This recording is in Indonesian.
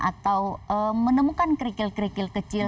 atau menemukan kerikil kerikil kecil